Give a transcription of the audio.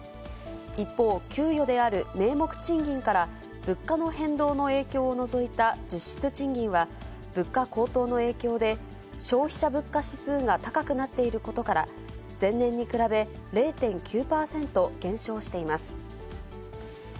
一方、給与である名目賃金から物価の変動の影響を除いた実質賃金は、物価高騰の影響で消費者物価指数が高くなっていることから、前年に比べ０．９％減少しています。